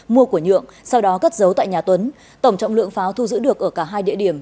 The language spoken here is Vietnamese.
mua của nhượng sau đó cất giấu tại nhà tuấn tổng trọng lượng pháo thu giữ được ở cả hai địa điểm